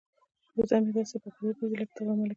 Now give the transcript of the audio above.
وزه مې داسې په غرور ګرځي لکه د غره ملکه.